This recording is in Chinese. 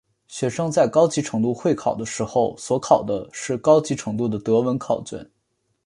学生在高级程度会考的时候所考的是高级程度的德文考卷。